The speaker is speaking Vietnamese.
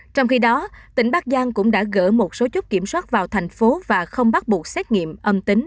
trong khi đó tỉnh bắc giang cũng đã gỡ một số chốt kiểm soát vào thành phố và không bắt buộc xét nghiệm âm tính